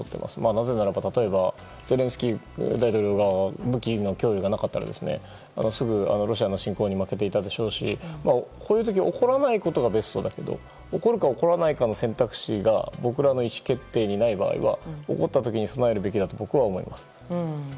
なぜならばゼレンスキー大統領が武器の供与がなければすぐにロシアの侵攻に負けていたでしょうしこういうことが起こらないことがベストだけど起こるか起こらないかの選択肢が僕らの意思決定にない場合は起こった場合に備えるべきだと僕は思います。